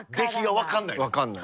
分かんないです。